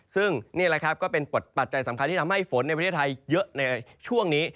ซึ่งนี่แหละครับก็เป็นปัจจัยสำคัญที่ทำให้ฝนในประเทศไทยเยอะในช่วงนี้